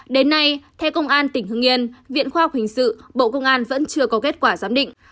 đến nay theo công an tỉnh hưng yên viện khoa học hình sự bộ công an vẫn chưa có kết quả giám định